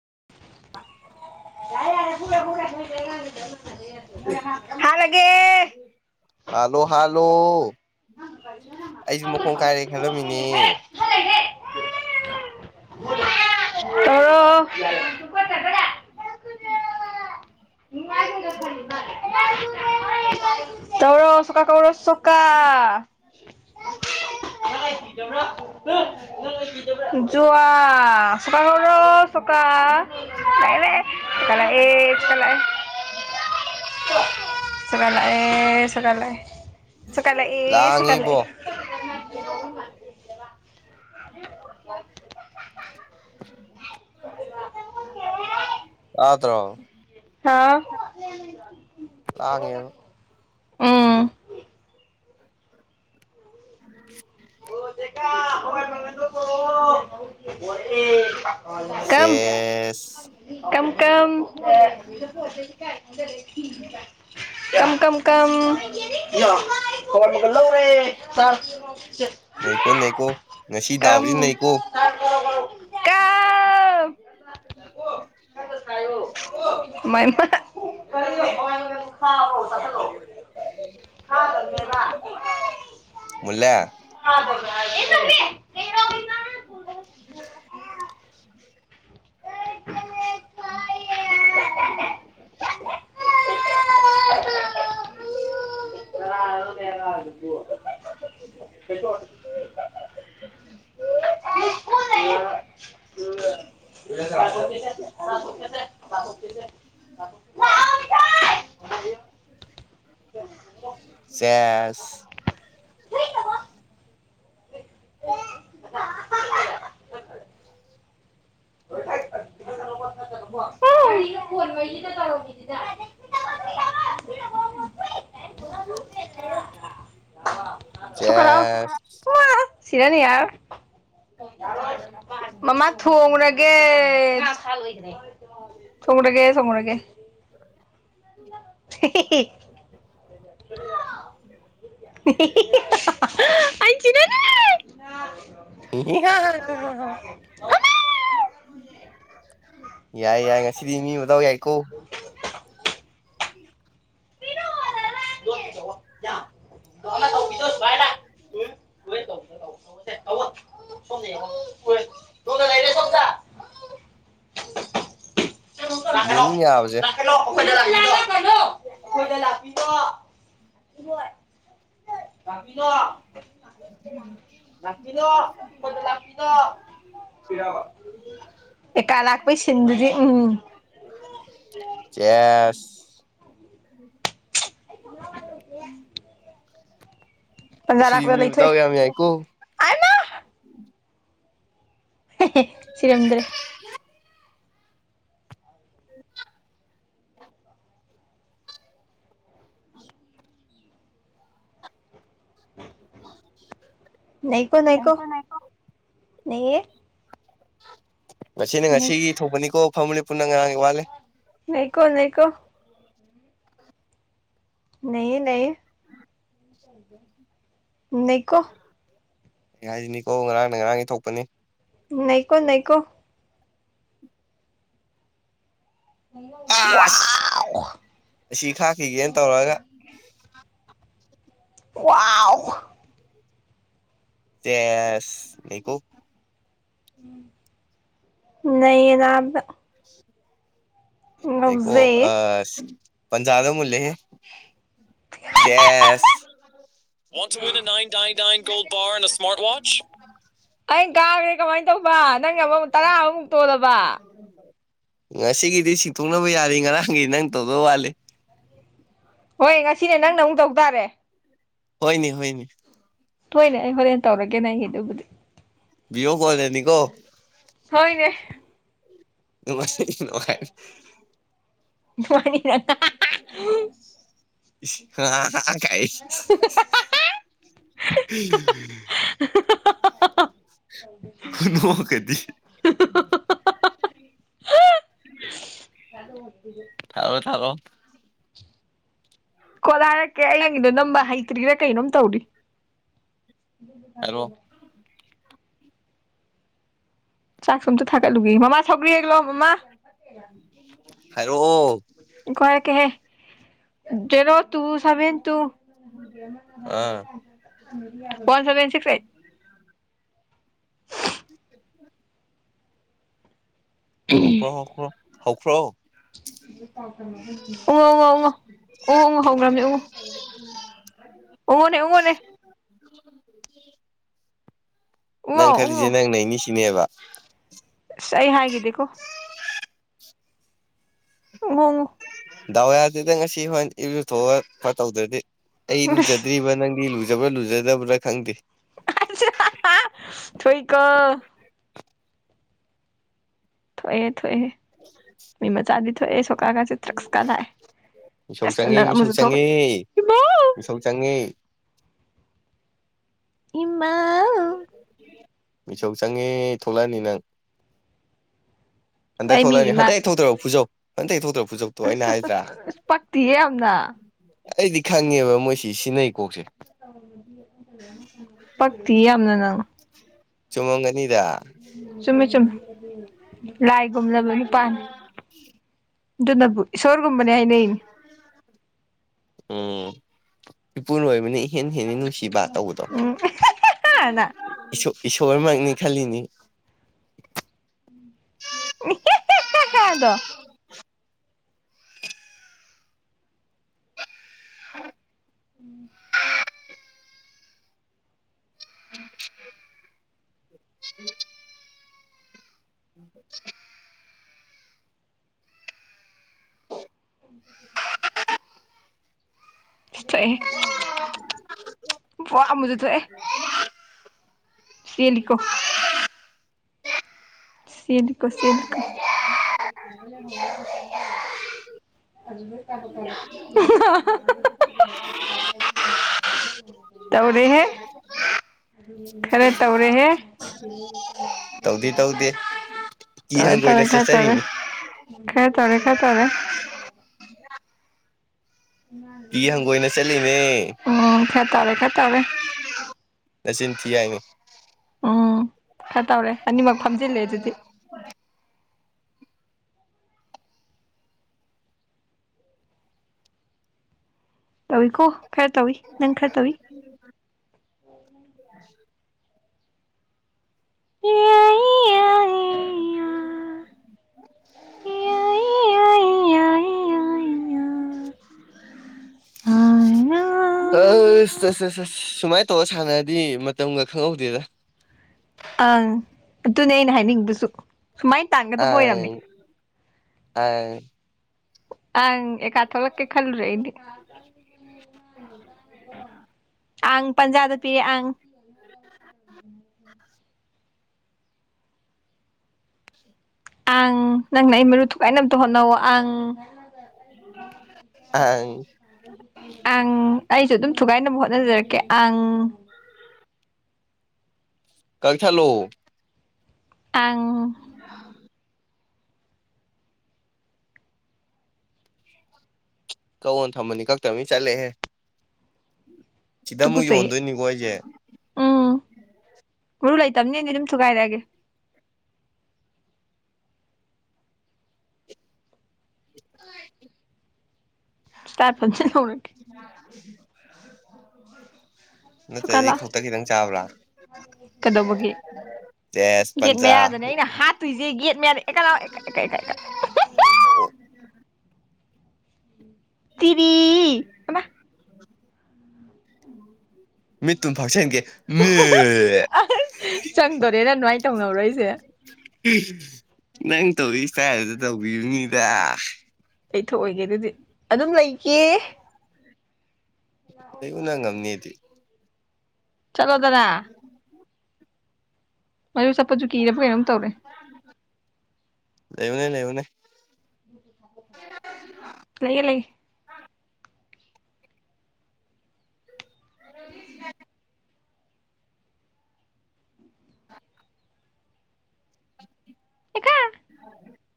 [unintelligible] ꯍꯥꯜꯂꯣ hello ꯑꯩꯁꯨ ꯃꯈꯣꯡ ꯀꯥꯏꯔꯦ ꯍꯥꯠꯂꯒꯦ ꯈꯜꯂꯝꯃꯤꯅꯦ ꯑꯣ ꯇꯨꯒꯠꯆꯗꯔꯦ [inaudible] [unintelligible] ꯇꯧꯔꯣ ꯆꯣꯀꯥ ꯀꯧꯔꯣ ꯁꯣꯀꯥ [inaudible] ꯖꯨꯋꯥ ꯁꯣꯀꯥ ꯀꯧꯔꯣ ꯁꯣꯀꯥ ꯂꯥꯛꯑꯦ ꯂꯥꯛꯑꯦ ꯁꯣꯀꯥ ꯂꯥꯛꯑꯦ ꯁꯣꯀꯥ ꯂꯥꯛꯑꯦ ꯑꯦ ꯁꯣꯀꯥ ꯂꯥꯛꯑ ꯁꯣꯀꯥ ꯂꯥꯛꯑꯦ ꯁꯣꯀꯥ ꯂꯥꯛꯑꯦ ꯁꯣꯀꯥ ꯂꯥꯛꯑꯦ ꯂꯥꯡꯉꯤꯕꯣ [inaudible] ꯇꯥꯗ꯭ꯔꯣ ꯍꯥꯥꯎ ꯂꯥꯡꯉꯦꯕ [inaudible] ꯕꯤꯀꯥ ꯍꯋꯥꯏ ꯃꯪꯒꯟꯗꯣ ꯄꯨꯔꯛꯑꯣ ꯄꯣꯔꯛꯑꯦ [inaudible] ꯀꯔꯝ ꯀꯝ ꯁꯦꯁ ꯀꯝ ꯀꯝ ꯀꯝ ꯀꯝ ꯍꯋꯥꯏ ꯃꯣꯒꯟ ꯂꯧꯔꯦ [inaudible] ꯅꯩꯀꯣ ꯅꯩꯀꯣ ꯉꯁꯤ ꯗꯥꯎꯖꯤ ꯅꯩꯀꯣ [inaudible] ꯑ [inaudible] [inaudible] ꯃꯥꯏꯃꯥ ꯍꯥ ꯍꯥ [unintelligible] ꯃꯨꯜꯂꯦ [unintelligible] ꯅꯦ ꯇꯣꯝꯕꯤ [inaudible] ꯇꯥꯔꯦ [unintelligible] [unintelligible] [unintelligible] [inaudible] ꯆꯦꯁ [inaudible] [inaudible] ꯁꯣꯀꯠꯂꯛꯑꯣ ꯆꯦꯁ ꯃꯥ ꯁꯤꯔꯅꯤ ꯌꯥꯔꯔꯣꯏ [inaudible] ꯃꯃꯥ ꯊꯣꯡꯉꯨꯔ ꯑꯦꯁ ꯊꯣꯡꯉꯨꯔꯒꯦ ꯊꯣꯡꯉꯨꯔꯒꯦ ꯍꯤ ꯍꯤꯍꯤ [inaudible] ꯍꯤ ꯍꯤ ꯍꯥ ꯍꯥ [unintelligible] ꯌꯥꯏ ꯌꯥꯏ ꯉꯁꯤꯗꯤ ꯃꯤ ꯃꯗꯥꯎ ꯌꯥꯏꯀꯣ [unintelligible] [unintelligible] ꯁꯣꯝꯗ ꯌꯦꯡꯉꯣ ꯁꯣꯝꯗ ꯂꯩꯅꯦ ꯁꯣꯝꯗ [inaudible] ꯃꯨꯟꯌꯥꯕꯖꯦ [unintelligible] ꯂꯥꯛꯄꯤꯅꯣ ꯑꯩꯈꯣꯏꯗ [unintelligible] ꯑꯦꯀꯥ ꯂꯥꯛꯄꯩ ꯁꯤꯟꯗꯨꯗꯤ ꯎꯝ ꯆꯦꯁ ꯉꯁꯤꯗꯤ ꯃꯤꯕ ꯃꯗꯥꯎ ꯌꯥꯝ ꯌꯥꯏ ꯀꯣ ꯍꯦ ꯍꯦ ꯁꯤꯔꯝꯗ꯭ꯔꯦ [inaudible] [inaudible] [inaudible] ꯅꯥꯏꯀꯣ ꯅꯥꯏꯀꯣ ꯅꯩꯌꯦ ꯉꯁꯤꯅ ꯉꯁꯤꯒꯤ ꯊꯣꯛꯄꯅꯤꯀꯣ ꯐꯝꯃꯨ ꯂꯦꯞꯄꯨ ꯅꯪ ꯉꯔꯥꯡꯒꯤ ꯋꯥꯠꯂꯤ ꯅꯩꯀꯣ ꯅꯩꯀꯣ ꯅꯩꯌꯦ ꯅꯩꯌꯦ ꯅꯩꯀꯣ ꯑꯩꯅ ꯍꯥꯏꯖꯤꯅꯤꯀꯣ ꯉꯔꯥꯡꯅ ꯉꯔꯥꯡꯒꯤ ꯊꯣꯛꯄꯅꯤ ꯅꯩꯀꯣ ꯅꯩꯀꯣ ꯑꯁ ꯑꯁꯤ ꯈꯥꯛꯈꯤꯒꯦꯅ ꯇꯧꯔꯒ ꯋꯥꯎ ꯇꯦꯁ ꯅꯩꯀꯣ ꯅꯩꯌꯦꯅ ꯅꯥꯕꯗ [inaudible] ꯅꯩꯀꯣ ꯉꯥꯎꯖꯩꯌꯦ ꯑꯥꯁ ꯄꯟꯖꯥꯗ ꯃꯨꯜꯂꯦ ꯍꯦ [unintelligible] ꯁꯦꯁ ꯀꯥꯥꯎꯔꯦ ꯀꯃꯥꯏ ꯇꯧꯕ ꯅꯪ ꯑꯃꯃꯨꯛ ꯇꯔꯥ ꯑꯃꯨꯛ ꯇꯣꯜꯂꯕ ꯉꯁꯤꯒꯤꯗꯤ ꯁꯤꯟꯇꯣꯛꯅꯕ ꯌꯥꯔꯦ ꯉꯔꯥꯡꯒꯤ ꯅꯪ ꯇꯧꯗꯧ ꯋꯥꯠꯂꯤ ꯍꯣꯏ ꯉꯁꯤꯅꯦ ꯅꯪꯅ ꯑꯃꯨꯛ ꯇꯧ ꯇꯥꯔꯦ ꯍꯣꯏꯅꯦ ꯍꯣꯏꯅꯦ ꯍꯣꯏꯅꯦ ꯑꯩ ꯍꯣꯔꯦꯟ ꯇꯧꯔꯒꯦꯅꯦ ꯅꯪꯒꯤꯗꯨꯕꯨꯗꯤ ꯕꯤꯗꯤꯌꯣ ꯀꯣꯜꯗꯅꯤ ꯀꯣ ꯍꯣꯏꯅꯦ [unintelligible] ꯅꯨꯉꯥꯏꯅꯤ ꯅꯪ ꯍꯥ ꯍꯥꯍꯥ [unintelligible] ꯀꯥꯏ [unintelligible] ꯈꯨꯅꯣꯛ ꯀꯗꯤ [inaudible] [inaudible] ꯊꯥꯔꯣ ꯊꯥꯔꯣ ꯀꯣꯂꯔ ꯀ ꯑꯩ ꯌꯦꯡꯉꯤꯗꯣ ꯅꯝꯕ ꯍꯩꯇ꯭ꯔꯤꯔꯥ ꯀꯩꯅꯣꯝ ꯇꯧꯔꯤ ꯍꯥꯏꯔꯣ [inaudible] ꯆꯥꯛ ꯁꯨꯝꯇ ꯊꯥꯒꯠꯂꯨꯒꯤ ꯃꯃꯥ ꯁꯧꯒ꯭ꯔꯤ ꯍꯦꯛꯂꯛꯑꯣ ꯃꯃꯥ ꯍꯥꯏꯔꯛꯑꯣ ꯉꯥꯏꯈꯣ ꯍꯥꯏꯔꯛꯀꯦꯍꯦ ꯖꯦꯔꯣ ꯇꯨ ꯁꯚꯦꯟ ꯇꯨ ꯑꯥ ꯋꯥꯟ ꯁꯚꯦꯟ ꯁꯤꯁꯛ ꯑꯦꯠ [inaudible] ꯍꯧꯈ꯭ꯔꯣ ꯍꯧꯈ꯭ꯔꯣ ꯍꯧꯈ꯭ꯔꯣ ꯎꯪꯉꯣ ꯎꯪꯉꯣ ꯎꯪꯉꯣ ꯎꯪꯉꯣ ꯑꯎꯪꯉꯣ ꯍꯧꯈ꯭ꯔꯝꯅꯦ ꯎꯪꯉꯣ ꯎꯪꯉꯣꯅꯦ ꯎꯪꯉꯣꯅꯦ [inaudible] ꯎꯪꯉꯣ ꯅꯪ ꯎꯪꯉꯣ ꯈꯜꯂꯤꯖꯦ ꯅꯪ ꯅꯩꯅꯤꯁ ꯏꯅꯦꯕ ꯑꯁ ꯑꯩ ꯍꯥꯏꯒꯤꯗꯦꯀꯣ ꯑꯣꯉꯣꯉꯣ ꯗꯥꯎꯌꯥꯗꯦꯗ ꯉꯁꯤ ꯍꯣꯔꯦꯟ ꯏꯔꯨꯖꯊꯣꯛꯑꯒ ꯈꯔ ꯇꯧꯗ꯭ꯔꯗꯤ ꯑꯩ ꯏꯔꯨꯖꯗ꯭ꯔꯤꯕ ꯅꯪꯗꯤ ꯂꯨ ꯂꯨꯖꯕ꯭ꯔ ꯂꯨꯖꯗꯕ꯭ꯔ ꯈꯪꯗꯦ ꯊꯣꯛꯏꯀꯣ ꯊꯣꯛꯑꯦꯍꯦ ꯊꯣꯛꯑꯦꯍꯦ ꯃꯤ ꯃꯆꯥꯗꯤ ꯊꯣꯛꯑꯦ ꯁ ꯀꯥꯔ ꯆꯇ꯭ꯔ ꯀꯔꯥꯏ ꯃꯤꯁꯧ ꯑꯁ ꯆꯪꯉꯦ ꯅꯪ ꯃꯤꯁꯧ ꯑꯃꯖꯨ ꯊꯣꯛꯈ꯭ꯔꯦ ꯆꯪꯉꯦ ꯏꯃꯥꯎ ꯃꯤꯁꯧ ꯆꯪꯉꯦ ꯏꯃꯥ ꯃꯤꯁꯧ ꯆꯪꯉꯦ ꯊꯣꯛꯂꯛꯑꯅꯤ ꯅꯪ ꯍꯟꯗꯛ ꯑꯩ ꯃꯤ ꯊꯣꯛꯂꯛꯑꯅꯤ ꯏꯃꯥ ꯍꯟꯗꯛ ꯍꯦꯛ ꯊꯣꯛꯇ꯭ꯔꯕ ꯐꯨꯖꯧ ꯑꯝꯇ ꯍꯦꯛ ꯊꯣꯛꯇ꯭ꯔꯣ ꯑꯁ ꯑꯁ ꯑꯁ ꯄꯛꯇꯤꯌꯦ ꯌꯥꯝꯅ ꯑꯩꯗꯤ ꯈꯪꯉꯦꯕ ꯃꯣꯏꯁꯤ ꯁꯤꯟꯅꯩ ꯀꯣꯛꯁꯦ ꯄꯛꯇꯤꯌꯦ ꯌꯥꯝꯅ ꯅꯪ ꯆꯨꯃꯝꯒꯅꯤꯗ ꯆꯨꯝꯃꯦ ꯆꯨꯝꯃꯦ ꯂꯥꯏꯒꯨꯝꯂꯕ ꯅꯨꯄꯥꯅꯤ ꯗꯨ ꯅꯕꯨ ꯏꯁ ꯈꯣꯏꯒꯨꯝꯕꯅꯦ ꯍꯥꯏꯅꯩꯅꯦ ꯏꯄꯨꯅ ꯂꯣꯏꯕꯅꯤ ꯏꯍꯦꯟ ꯍꯦꯟꯅꯂꯤ ꯅꯨꯡꯁꯤꯕ ꯇꯧꯕꯗꯣ ꯎꯝ ꯅ ꯏꯁꯣꯔ ꯃꯛꯅꯤ ꯈꯜꯂꯤꯅꯤ ꯏꯍꯦ ꯍꯦ ꯍꯦ ꯍꯦ ꯍꯦ ꯗꯣ [inaudible] [inaudible] [inaudible] [inaudible] [inaudible] ꯊꯣꯛꯑꯦꯍꯦ ꯋꯣ ꯆꯣ ꯆꯣ ꯆꯣ ꯄꯨꯋꯥ ꯑꯃꯖꯨ ꯊꯣꯛꯑꯦ ꯆꯦꯂꯤ ꯀꯣ ꯆꯦꯜꯂꯤꯀꯣ ꯆꯦꯜꯂꯤꯀꯣ ꯍꯥ ꯍꯥ ꯍꯥ ꯇꯧꯔꯦꯍꯦ ꯈꯔ ꯇꯧꯔꯦ ꯍꯦ ꯇꯧꯗꯤ ꯇꯧꯗꯦ ꯀꯤ ꯇꯧꯔꯦ ꯇꯧꯔꯦ ꯍꯪꯒꯣꯏꯅ ꯈꯔ ꯇꯧꯔꯦ ꯆꯠꯆꯔꯤꯅꯤ ꯈꯔ ꯇꯧꯔꯦ ꯈꯔ ꯇꯧꯔꯦ ꯀꯤ ꯍꯪꯒꯣꯏꯅ ꯆꯠꯂꯤꯃꯦ [inaudible] ꯎꯝ ꯈꯔ ꯇꯧꯔꯦ ꯈꯔ ꯇꯧꯔꯦ ꯅꯆꯤꯟ ꯊꯤ ꯍꯥꯏꯅꯤ ꯎꯝ ꯈ ꯇꯧꯔꯦ ꯑꯅꯤꯃꯛ ꯐꯝꯖꯤꯜꯂꯦ ꯑꯗꯨꯗꯤ ꯇꯧꯋꯤꯀꯣ ꯈꯔ ꯇꯧꯋꯤ ꯅꯪ ꯈꯔ ꯇꯧꯋꯤ [unintelligible] ꯍꯥꯏꯅ ꯑꯁ ꯑꯁ ꯑꯁ ꯑꯁ ꯁꯨꯃꯥꯏꯅ ꯇꯧꯔ ꯁꯥꯟꯅꯔꯗꯤ ꯃꯇꯝꯒ ꯈꯪꯍꯧꯗꯦꯗ ꯑꯪ ꯑꯗꯨꯅꯦ ꯑꯩꯅ ꯍꯥꯏꯅꯤꯡꯉꯤꯗꯨꯁꯨ ꯁꯨꯃꯥꯏ ꯇꯥꯟꯒꯗꯕ ꯑꯣꯏꯔꯝꯃꯦ ꯑꯪ ꯑꯪ ꯑꯪ ꯑꯦꯀꯥ ꯊꯣꯛꯂꯛꯀꯦ ꯈꯜꯂꯨꯔꯦ ꯑꯩꯗꯤ ꯑꯪ ꯄꯟꯖꯥꯗ ꯄꯤꯔꯦ ꯑꯪ ꯑꯪ ꯅꯪꯅ ꯑꯩ ꯃꯔꯨ ꯊꯨꯒꯥꯏꯅꯕꯗ ꯍꯣꯠꯅꯧꯑꯣ ꯑꯪ ꯑꯪ ꯑꯪ ꯑꯩꯁꯨ ꯑꯗꯨꯝ ꯊꯨꯒꯥꯏꯅꯕ ꯍꯣꯠꯅꯖꯔꯛꯀꯦ ꯑꯪ ꯀꯛꯊꯠꯂꯣ ꯑꯪ ꯀꯛꯑꯣ ꯊꯝꯕꯅꯤ ꯀꯛꯇꯕꯅꯤ ꯆꯠꯂꯦꯍꯦ ꯁꯤꯗ ꯑꯃꯨꯛ ꯇꯨꯀꯨꯠꯆꯩꯌꯦ ꯌꯣꯟꯗꯣꯏꯅꯤꯀꯣ ꯑꯩꯁꯦ ꯎꯝ ꯃꯔꯨ ꯂꯩꯇꯝꯅꯤꯅ ꯑꯗꯨꯝ ꯊꯨꯒꯥꯏꯔꯛꯑꯒꯦ [inaudible] ꯁꯇꯥꯔ ꯐꯝꯁꯤꯟꯍꯧꯔꯒꯦ ꯁꯨꯀꯥ ꯅꯠꯇ꯭ꯔꯗꯤ ꯂꯥꯛꯑꯣ ꯈꯧꯇꯛ ꯈꯤꯇꯪ ꯆꯥꯕ꯭ꯔꯥ ꯀꯩꯗꯧꯕꯒꯤ ꯇꯦꯁ ꯒꯦꯠ ꯄꯟꯖꯥ ꯃꯌꯥꯗꯅꯦ ꯑꯩꯅ ꯍꯥꯠꯇꯣꯏꯁꯦ ꯒꯦꯠ ꯑꯦꯀꯥ ꯑꯦꯀꯥ ꯑꯦꯀꯥ ꯍꯦ ꯍꯦ ꯍꯦ ꯇꯤꯔꯤ ꯍꯩꯃꯥ [inaudible] ꯃꯤꯠꯇꯨꯝ ꯐꯥꯛꯁꯟꯒꯦ ꯆꯪꯗꯣꯔꯦꯅ ꯑꯗꯨꯃꯥꯏꯅ ꯇꯧꯅꯕꯔꯣ ꯍꯥꯏꯁꯦ ꯅꯪ ꯇꯧꯏ ꯁꯇꯥꯏꯜꯗꯨꯗ ꯇꯧꯕꯤꯕꯅꯤꯗ ꯇꯩꯊꯣꯛꯑꯣꯏꯒꯦ ꯑꯗꯨꯗꯤ ꯑꯗꯨꯝ ꯂꯩꯒꯦ ꯂꯩꯩꯌꯨꯅ ꯉꯝꯅꯦꯗꯤ ꯆꯠꯂꯣꯗꯅ ꯃꯗꯨ ꯆꯞꯄꯁꯨ ꯀꯤꯔꯕ ꯀꯩꯅꯣꯝ ꯇꯧꯔꯦ [unintelligible] ꯂꯩꯌꯦ ꯂꯩ [inaudible] ꯑꯦꯀꯥ [inaudible]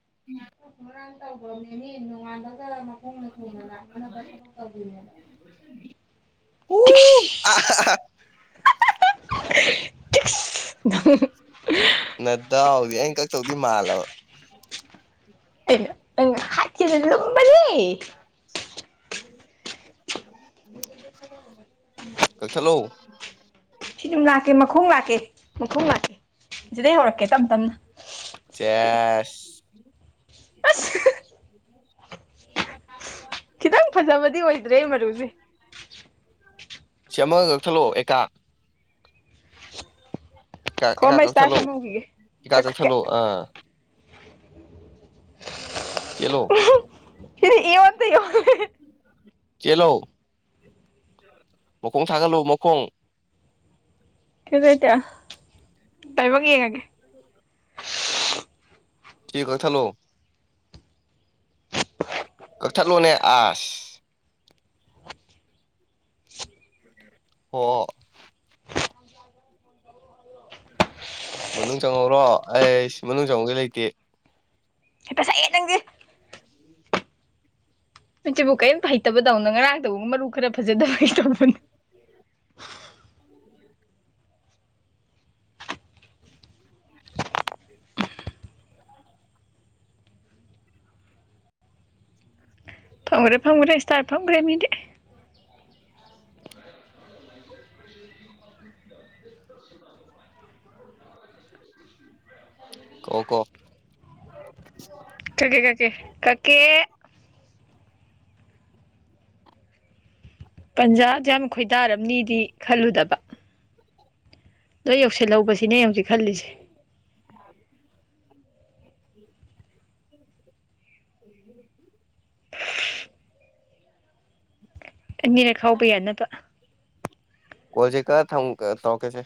[unintelligible] ꯇꯧꯒ꯭ꯔꯅꯦꯃꯤ ꯅꯣꯉꯥꯟꯕꯒ ꯇꯤꯛꯁ ꯅꯗꯥꯎꯗꯤ ꯑꯩꯅ ꯀꯛ ꯇꯧꯗꯤ ꯃꯥꯟꯂꯕ ꯍꯥꯠꯀꯦꯅ ꯂꯨꯝꯕꯅꯤ [inaudible] ꯀꯛꯊꯠꯂꯣ [inaudible] ꯁꯤ ꯑꯗꯨꯝ ꯂꯥꯛꯀꯦ ꯃꯈꯣꯡ ꯂꯥꯛꯀꯦ ꯃꯈꯣꯡ ꯂꯥꯛꯀꯦ ꯁꯤꯗꯩ ꯍꯧꯔꯛꯀꯦ ꯇꯞ ꯇꯞꯅ ꯆꯦꯁ ꯑꯁ [inaudible] ꯈꯤꯇꯪ ꯐꯖꯕꯗꯤ ꯑꯣꯏꯗ꯭ꯔꯦ ꯃꯔꯨꯁꯦ [inaudible] ꯁꯤ ꯑꯃꯒ ꯀꯛꯊꯠꯂꯣ ꯑꯦꯀꯥ [inaudible] ꯑꯦꯀꯥ ꯈꯣ ꯑꯦꯀꯥ ꯑꯃ ꯏꯁꯇꯥꯔ ꯀꯛꯊꯠꯂꯣ ꯁꯦꯝꯍꯧꯈꯤꯒꯦ ꯏꯀꯥ ꯀꯛꯊꯠꯀꯦ ꯀꯛꯊꯠꯂꯣ ꯑ [inaudible] [unintelligible] ꯆꯦꯂꯣ ꯃꯈꯣꯡ ꯊꯥꯒꯠꯂꯣ ꯃꯈꯣꯡ ꯈꯦꯂꯣ ꯏꯟꯗ꯭ꯌꯥ ꯂꯥꯏꯕꯛ ꯋꯦꯡꯉꯒꯦ ꯊꯤ ꯀꯛꯊꯠꯂꯣ ꯀꯛꯊꯠꯂꯣꯅꯦ [inaudible] ꯑꯣ ꯃꯅꯨꯡ ꯆꯪꯍꯧꯔꯣ ꯑꯩꯁ ꯃꯅꯨꯡ ꯆꯪꯍꯧꯒꯦ ꯂꯩꯇꯦ ꯍꯦꯛꯇ ꯁꯛꯑꯦ ꯅꯪꯁꯦ ꯑꯩꯆꯤꯕꯨ ꯀꯦꯝꯒ ꯍꯩꯇꯕꯗꯧꯅ ꯉꯔꯥꯡꯇꯕꯨ ꯃꯔꯨ ꯈꯔ ꯐꯖꯗꯕꯩ ꯇꯧꯕꯅꯦ ꯐꯝꯒ꯭ꯔꯦ ꯐꯝꯒ꯭ꯔꯦ ꯁ꯭ꯇꯥꯔ ꯐꯝꯒ꯭ꯔꯦ ꯃꯤꯗꯤ [inaudible] ꯀꯛꯑꯣ ꯀꯛꯑꯣ ꯀꯀꯦ ꯀꯀꯦ ꯀꯛꯀꯦ ꯄꯟꯖ ꯗꯨꯌꯥꯝ ꯈꯣꯏꯗꯥꯔꯝꯅꯤꯗꯤ ꯈꯜꯂꯨꯗꯕ ꯅꯣꯏ ꯌꯧꯁꯤꯜꯍꯧꯕꯁꯤꯅꯦ ꯑꯩ ꯍꯧꯖꯤꯛ ꯈꯜꯂꯤꯁꯦ [inaudible] ꯑꯅꯤꯔꯛ ꯈꯥꯎꯕ ꯌꯥꯅꯕ ꯀꯣꯜꯁꯦ ꯀꯛꯑ ꯊꯝ ꯇꯧꯔꯛꯀꯦꯁꯦ